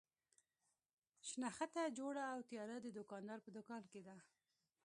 شنخته جوړه او تیاره د دوکاندار په دوکان کې ده.